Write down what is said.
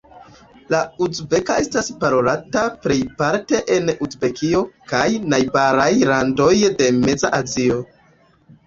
La uzbeka estas parolata plejparte en Uzbekio kaj najbaraj landoj de Meza Azio.